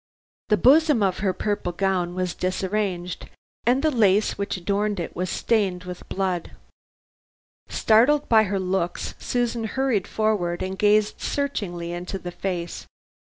The bosom of her purple gown was disarranged, and the lace which adorned it was stained with blood. Startled by her looks Susan hurried forward and gazed searchingly into the face.